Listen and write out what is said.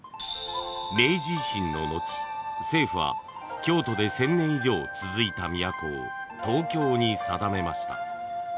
［明治維新の後政府は京都で１，０００年以上続いた都を東京に定めました］